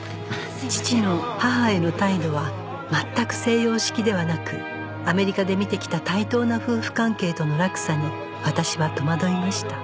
父の母への態度は全く西洋式ではなくアメリカで見てきた対等な夫婦関係との落差に私は戸惑いました